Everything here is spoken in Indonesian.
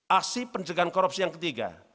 aksi pencegahan korupsi yang ketiga